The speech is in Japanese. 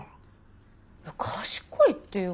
賢いっていうか。